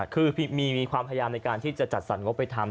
คือมีความพยายามในการที่จะจัดสรรงบไปทำ